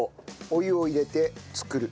お湯を入れて作る。